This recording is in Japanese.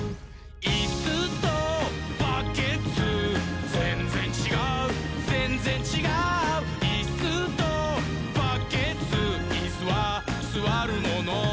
「いっすーとバッケツーぜんぜんちがうぜんぜんちがう」「いっすーとバッケツーイスはすわるもの」